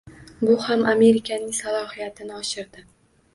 Bu ham Amerikaning salohiyatini oshirdi